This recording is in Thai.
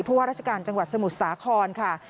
พรัชกาลจังหวัดสมุทรสาครค่ะ